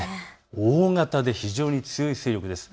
大型で非常に強い勢力です。